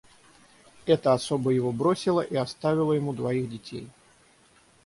Эта особа его бросила и оставила ему двоих детей.